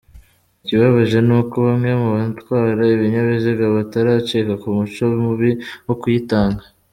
Ikibabaje ni uko bamwe mu batwara ibinyabiziga bataracika ku muco mubi wo kuyitanga.